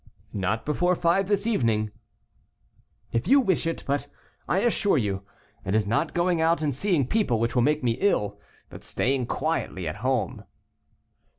"Not before five this evening." "If you wish it; but, I assure you, it is not going out and seeing people which will make me ill, but staying quietly at home."